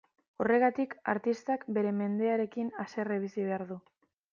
Horregatik, artistak bere mendearekin haserre bizi behar du.